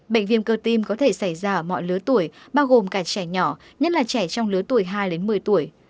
bệnh viêm cơ tim có thể xảy ra ở mọi lứa tuổi bao gồm cả trẻ nhỏ nhất là trẻ trong lứa tuổi hai đến một mươi tuổi